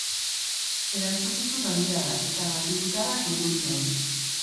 Erantzukizun handia da eta gatibutarrak urduri daude.